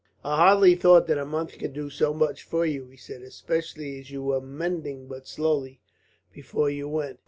"I hardly thought that a month could do so much for you," he said, "especially as you were mending but slowly, before you went."